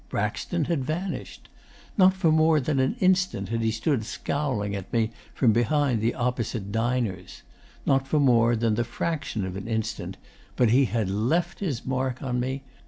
Braxton had vanished. Not for more than an instant had he stood scowling at me from behind the opposite diners. Not for more than the fraction of an instant. But he had left his mark on me.